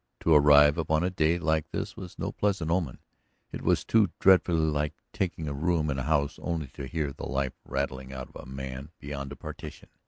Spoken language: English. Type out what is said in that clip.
To arrive upon a day like this was no pleasant omen; it was too dreadfully like taking a room in a house only to hear the life rattling out of a man beyond a partition.